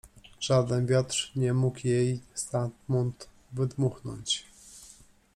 Żaden wiatr nie mógł jej stamtąd wydmuchnąć.